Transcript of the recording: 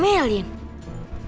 biasanya malah ikut ngemelin